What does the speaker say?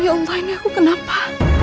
ya umpah ini aku kenapa